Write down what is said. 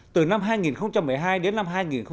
từ năm hai nghìn một mươi hai đến năm hai nghìn một mươi bảy